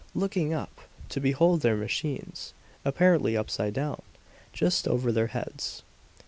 Looking up, to behold their machines, apparently upside down, just over their heads!